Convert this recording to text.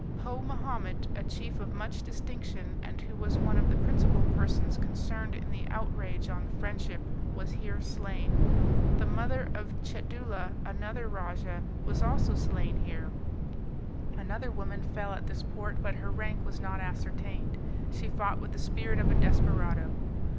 Po Mahomet, a chief of much distinction, and who was one of the principal persons concerned in the outrage on the Friendship was here slain; the mother of Chadoolah, another rajah, was also slain here; another woman fell at this port, but her rank was not ascertained; she fought with the spirit of a desperado.